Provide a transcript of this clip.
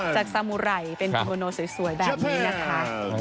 จากซามุไรเป็นคีโมโนสวยแบบนี้นะคะ